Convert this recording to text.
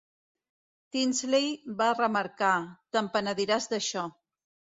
Tinsley va remarcar, "t'en penediràs d'això.